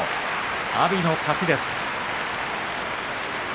阿炎の勝ちです。